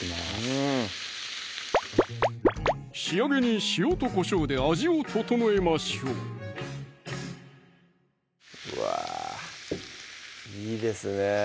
うん仕上げに塩とこしょうで味を調えましょううわいいですね